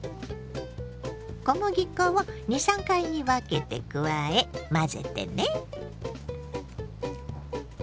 小麦粉を２３回に分けて加え混ぜてね。